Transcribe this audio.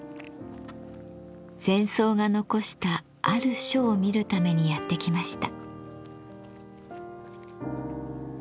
禅僧が残したある書を見るためにやって来ました。